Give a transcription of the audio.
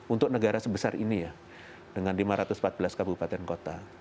untuk negara sebesar ini ya dengan lima ratus empat belas kabupaten kota